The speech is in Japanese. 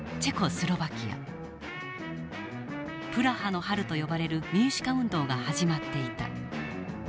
プラハの春と呼ばれる民主化運動が始まっていた。